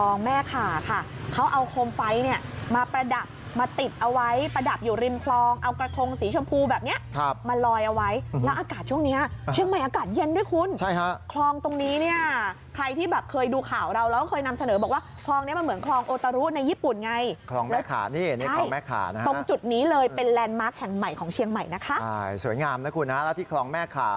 นี้เลยเป็นแรนดมาร์คแห่งใหม่ของเชียงใหม่นะคะสวยงามนะคุณฮะแล้วที่คลองแม่ขา